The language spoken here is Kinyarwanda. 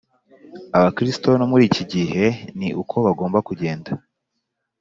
Abakristo No muri iki gihe ni uko bigomba kugenda